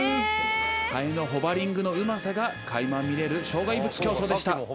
ハエのホバリングのうまさがかいま見れる障害物競走でした。